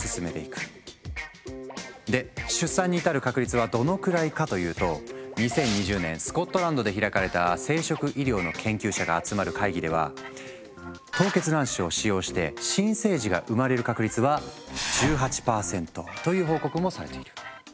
で出産に至る確率はどのくらいかというと２０２０年スコットランドで開かれた生殖医療の研究者が集まる会議では凍結卵子を使用して新生児が産まれる確率は１８％という報告もされている。